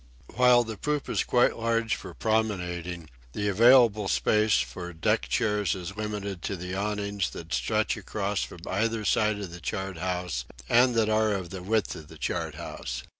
While the poop is quite large for promenading, the available space for deck chairs is limited to the awnings that stretch across from either side of the chart house and that are of the width of the chart house.